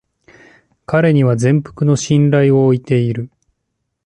彼には全幅の信頼を置いている